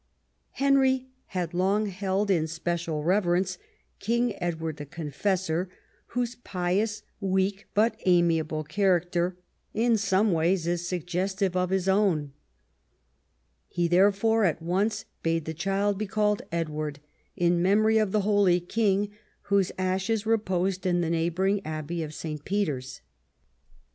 Henry had long held in special reverence King Edward the Confessor, whose pious, weak, but amiable character in some ways is suggestive of his own. He therefore at once bade the child be called EdAvard, in memory of the holy king whose ashes reposed in the neighbouring abbey of St. Peter's.